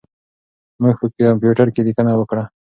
موږ په کمپیوټر کې لیکنه وکړه.